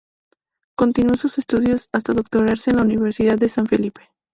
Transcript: Continuó sus estudios hasta doctorarse en la Universidad de San Felipe.